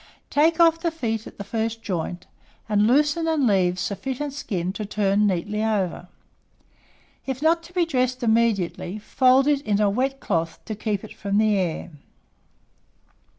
Take off the feet at the first joint, and loosen and leave sufficient skin to turn neatly over. If not to be dressed immediately, fold it in a wet cloth to keep it from the air.